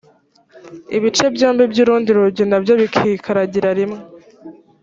ibice byombi by’urundi rugi na byo bikikaragira rimwe